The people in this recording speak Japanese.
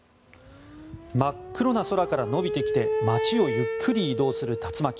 真っ黒な空から延びてきて街をゆっくり移動する竜巻。